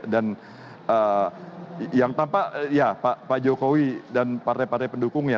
dan yang tampak ya pak jokowi dan partai partai pendukungnya